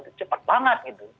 itu cepat banget gitu